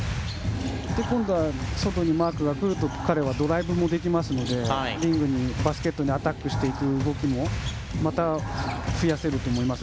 今度は外にマークが来ると彼はドライブもできますのでバスケットにアタックしていく動きもまた増やせると思います。